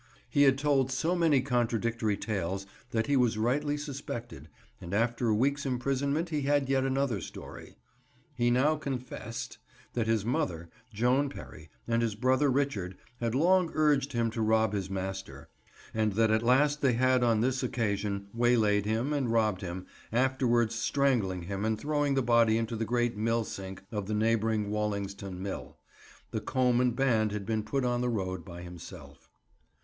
He had told so many contradictory tales that he was rightly suspected, and after a week's imprisonment he had yet another story. He now "confessed" that his mother, Joan Perry, and his brother Richard had long urged him to rob his master, and that at last they had on this occasion waylaid and robbed him, afterwards strangling him and throwing the body into the great mill sink of the neighbouring Wallington's Mill. The comb and band had been put on the road by himself.